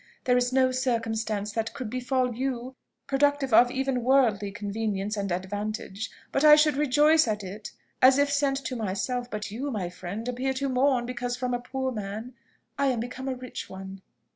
There is no circumstance that could befall you, productive of even worldly convenience and advantage, but I should rejoice at it as if sent to myself: but you, my friend, appear to mourn because from a poor man I am become a rich one."